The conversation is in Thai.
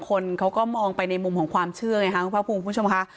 บางคนเขาก็มองไปในมุมของความเชื่อไงคะคุณผู้ชมค่ะ